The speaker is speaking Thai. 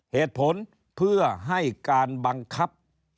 เหตุผลเพื่อให้การบังคับ